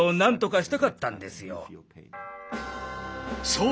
そう！